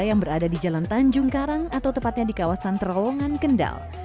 yang berada di jalan tanjung karang atau tepatnya di kawasan terowongan kendal